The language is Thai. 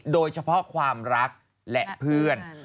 โดยเฉพาะความรักและเพื่อน